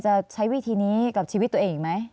จะใช้วิธีนี้กับชีวิตตัวเองไหม